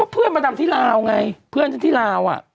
เพื่อนประจำที่ราวไงเพื่อนฉันที่ราวน่ะ